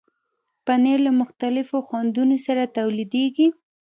پنېر له مختلفو خوندونو سره تولیدېږي.